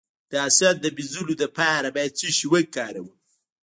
د حسد د مینځلو لپاره باید څه شی وکاروم؟